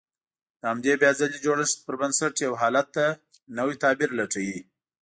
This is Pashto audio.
د همدې بيا ځلې جوړښت پر بنسټ يو حالت ته نوی تعبير لټوي.